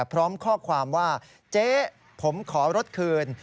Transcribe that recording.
พร้อมข้อความว่าเจ๊ผมขอรถคืน